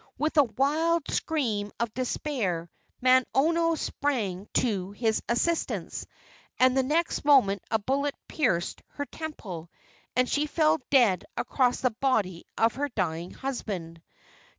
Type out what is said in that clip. With a wild scream of despair Manono sprang to his assistance, and the next moment a bullet pierced her temple, and she fell dead across the body of her dying husband.